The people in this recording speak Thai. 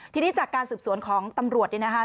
ทีนี้จากการสืบสวนของตำรวจเนี่ยนะคะ